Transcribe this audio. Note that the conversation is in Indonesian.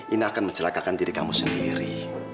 ini akan mencelakakan diri kamu sendiri